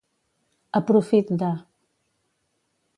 A profit de.